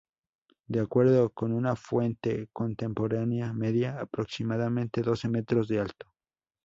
De acuerdo con una fuente contemporánea medía aproximadamente doce metros de alto.